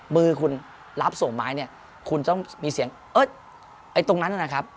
มือคุณรับส่งไม้เนี่ยคุณต้องมีเสียงเอิร์ทไอ้ตรงนั้นนะครับ